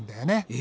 え？